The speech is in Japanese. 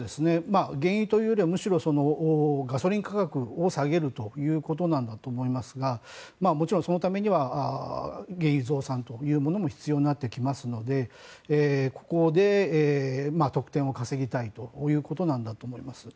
原油というよりはむしろガソリン価格を下げるということなんだと思いますがもちろんそのためには原油増産というものも必要になってきますのでここで得点を稼ぎたいということなんだと思います。